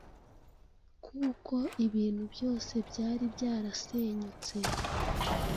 kuko ibintu byose byari byarasenyutse